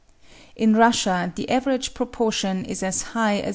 In Russia the average proportion is as high as 108.